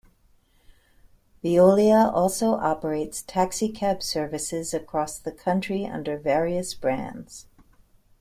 Veolia also operates taxicab services across the country under various brands.